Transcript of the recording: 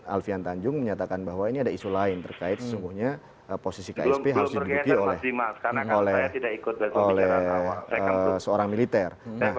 alfian tanjung menyatakan bahwa ini ada isu lain terkait sesungguhnya posisi ksp harus diduduki oleh seorang militer